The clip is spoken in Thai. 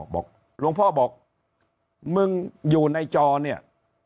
หลวงพ่อบอกมึงอยู่ในจอเนี่ย